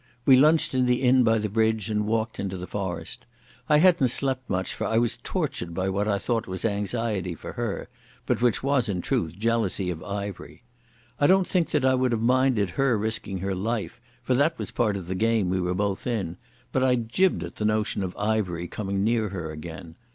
We lunched in the inn by the bridge and walked into the forest. I hadn't slept much, for I was tortured by what I thought was anxiety for her, but which was in truth jealousy of Ivery. I don't think that I would have minded her risking her life, for that was part of the game we were both in, but I jibbed at the notion of Ivery coming near her again.